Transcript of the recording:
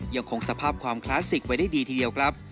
ยังคงสภาพความคลาสสิกไว้ได้ดีทีเดียวครับ